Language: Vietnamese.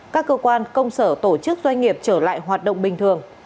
các cơ quan công sở tổ chức doanh nghiệp trở lại hoạt động bình thường